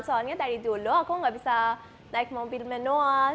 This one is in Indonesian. soalnya tadi dulu aku nggak bisa naik mobil manual